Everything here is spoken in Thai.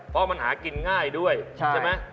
เพราะมันหากินง่ายด้วยใช่ไหม